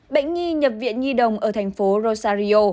bệnh nghi nhập viện nhi đồng ở thành phố rosario